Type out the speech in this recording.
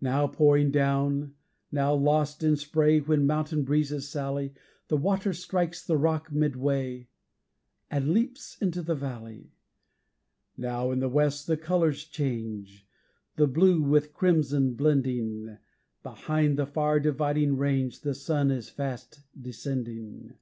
Now pouring down, now lost in spray When mountain breezes sally, The water strikes the rock midway, And leaps into the valley. Now in the west the colours change, The blue with crimson blending; Behind the far Dividing Range, The sun is fast descending.